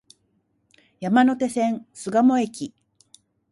山手線、巣鴨駅